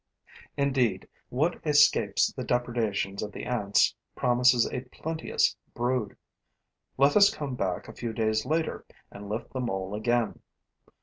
Indeed, what escapes the depredations of the ants promises a plenteous brood. Let us come back a few days later and lift the mole again.